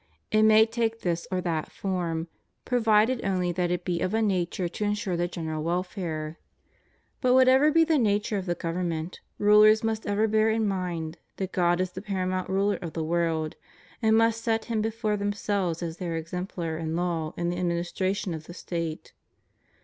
It may take this or that form, provided only that it be of a nature to insure the general welfare. But whatever be the nature of the government, rulers must ever bear in mind that God is the paramount ruler of the world, and must set Him before themselves as their exemplar and law in the admin istration of the State.